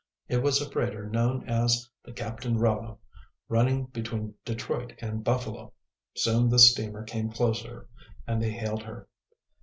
It was a freighter known as the Captain Rallow, running between Detroit and Buffalo. Soon the steamer came closer and they hailed her.